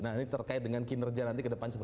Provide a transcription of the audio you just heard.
nah ini terkait dengan kinerja nanti ke depan